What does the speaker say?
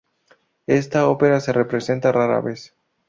Esta ópera se representa rara vez.